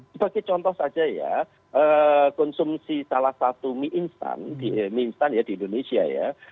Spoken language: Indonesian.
sebagai contoh saja ya konsumsi salah satu mie instan di indonesia ya